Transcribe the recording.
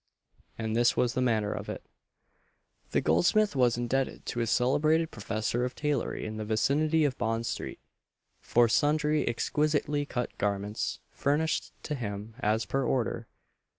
And this was the manner of it: The goldsmith was indebted to a celebrated professor of tailory in the vicinity of Bond street, for sundry exquisitely cut garments, furnished to him as per order.